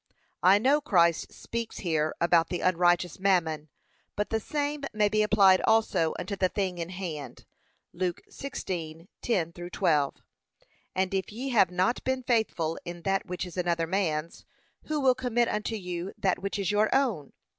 I know Christ speaks here about the unrighteous mammon, but the same may be applied also unto the thing in hand. (Luke 16:10 12) And if ye have not been faithful in that which is another man's, who will commit unto you that which is your own?